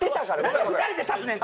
なんで２人で立つねん